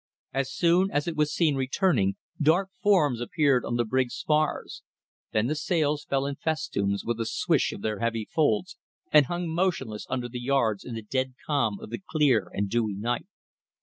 As soon as it was seen returning dark forms appeared on the brig's spars; then the sails fell in festoons with a swish of their heavy folds, and hung motionless under the yards in the dead calm of the clear and dewy night.